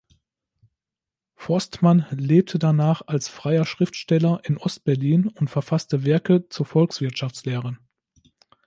Forstmann lebte danach als freier Schriftsteller in Ostberlin und verfasste Werke zur Volkswirtschaftslehre.